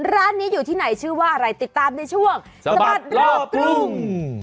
ร้านนี้อยู่ที่ไหนชื่อว่าอะไรติดตามในช่วงสะบัดรอบกรุง